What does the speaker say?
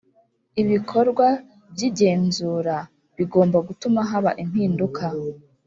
Ibikorwa by’igenzura bigomba gutuma haba impinduka